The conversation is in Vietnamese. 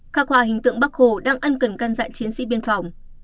khắc họa hình tượng bác hồ đang ăn cần can dạng chiến sĩ biên phòng